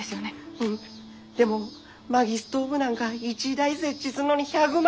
うんでも薪ストーブなんか一台設置すんのに１００万よ？